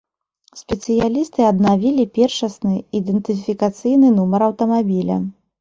Спецыялісты аднавілі першасны ідэнтыфікацыйны нумар аўтамабіля.